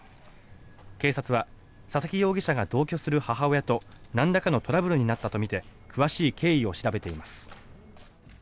警察は佐々木容疑者が同居する母親となんらかのトラブルになったとみて詳しい経緯を調べています。